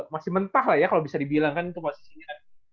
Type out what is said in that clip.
masih mentah lah ya kalau bisa dibilang kan itu posisinya